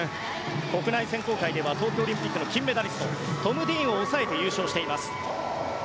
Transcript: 国内選考会では東京オリンピックの金メダリストトム・ディーンを抑えて優勝しています。